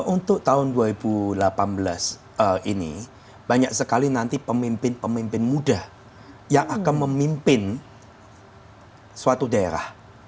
untuk tahun dua ribu delapan belas ini banyak sekali nanti pemimpin pemimpin muda yang akan memimpin suatu daerah